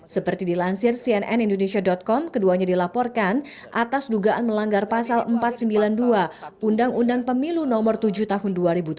seperti dilansir cnn indonesia com keduanya dilaporkan atas dugaan melanggar pasal empat ratus sembilan puluh dua undang undang pemilu nomor tujuh tahun dua ribu tujuh belas